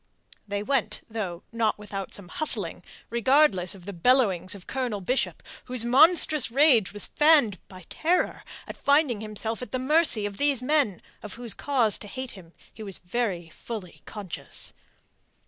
They went, though not without some hustling, regardless of the bellowings of Colonel Bishop, whose monstrous rage was fanned by terror at finding himself at the mercy of these men of whose cause to hate him he was very fully conscious.